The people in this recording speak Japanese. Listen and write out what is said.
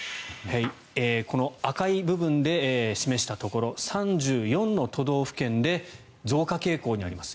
この赤い部分で示したところ３４の都道府県で増加傾向にあります。